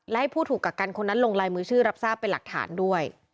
และให้ผู้ถูกกักกันคนนั้นลงลายมือชื่อรับทราบเป็นหลักฐานด้วย